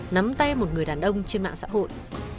nắm tay một người đàn ông trên mạng xã hội